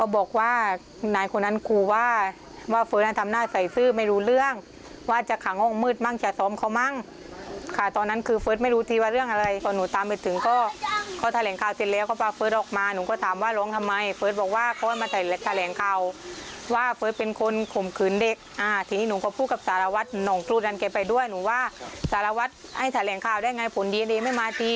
สารวัฒน์ให้แถลงข่าวได้ไงผลดีไม่มาดีสารวัฒน์ว่านายัยต่างมา